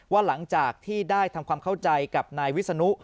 หลังจากที่ได้ทำความเข้าใจกับนายวิศนุ